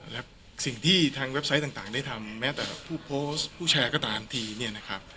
และสิ่งที่ทางเว็บไซต์ต่างได้ทำแม้แต่ผู้โพสต์ผู้แชร์ก็ตามทีเนี่ยนะครับ